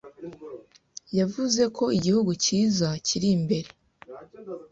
Yavuze ko igihugu cyiza kiri imbere.